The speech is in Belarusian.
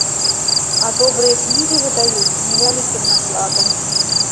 А добрыя кнігі выдаюць невялікім накладам.